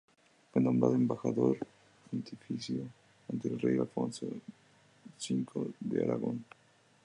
Fue nombrado "Embajador Pontificio" ante el rey Alfonso V de Aragón.